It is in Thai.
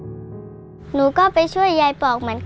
แล้วหนูก็บอกว่าไม่เป็นไรห้าว่างมาหาหนูบ้างนะคะ